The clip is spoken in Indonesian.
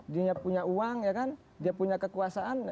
dia punya uang dia punya kekuasaan